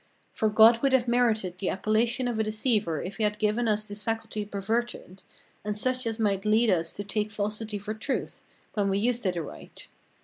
For God would have merited the appellation of a deceiver if he had given us this faculty perverted, and such as might lead us to take falsity for truth [when we used it aright].